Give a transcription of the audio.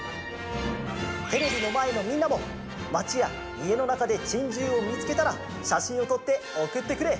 テレビのまえのみんなもまちやいえのなかでチンジューをみつけたらしゃしんをとっておくってくれ！